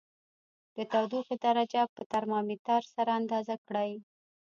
د تودوخې درجه په ترمامتر سره اندازه کړئ.